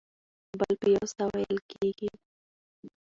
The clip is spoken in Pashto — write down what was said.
بل په یو ساه وېل کېږي.